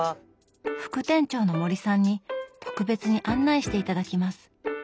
副店長の森さんに特別に案内して頂きます。